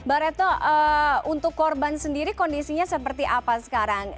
mbak retno untuk korban sendiri kondisinya seperti apa sekarang